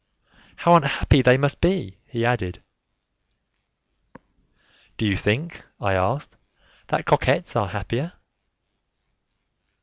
"How unhappy they must be!" he added. "Do you think," I asked, "that coquettes are happier?"